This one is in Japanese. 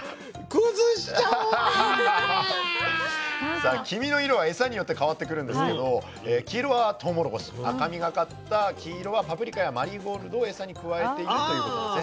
さあ黄身の色はエサによって変わってくるんですけど黄色はトウモロコシ赤みがかった黄色はパプリカやマリーゴールドをエサに加えているということですね。